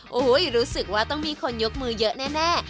โอ้โหรู้สึกว่าต้องมีคนยกมือเยอะแน่